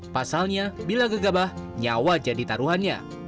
pasalnya bila gegabah nyawa jadi taruhannya